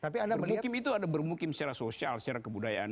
bermukim itu bermukim secara sosial secara kebudayaan